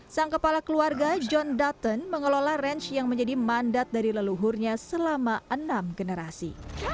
sang kepala keluarga john dutton mengelola ranch yang menjadi mandat dari leluhurnya selama enam generasi